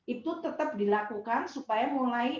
itu tetap dilakukan supaya mulai